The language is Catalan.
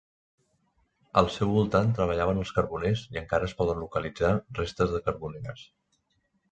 Al seu voltant treballaven els carboners i encara es poden localitzar restes de carboneres.